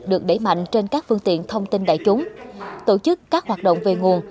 được đẩy mạnh trên các phương tiện thông tin đại chúng tổ chức các hoạt động về nguồn